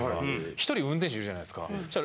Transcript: １人運転手いるじゃないですかそしたら。